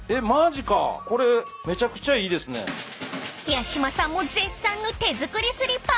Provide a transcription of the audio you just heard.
［八嶋さんも絶賛の手作りスリッパ］